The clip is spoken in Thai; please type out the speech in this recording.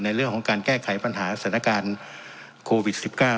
ในเรื่องของการแก้ไขปัญหาสถานการณ์โควิด๑๙